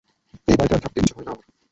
এই বাড়িতে আর থাকতে ইচ্ছে হয় না আমার।